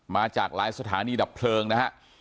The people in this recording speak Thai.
มาจากหลายสถานีดับเพลิงนะฮะ